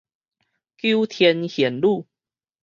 九天玄女